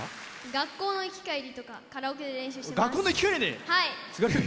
学校の行き帰りとかカラオケで練習してます。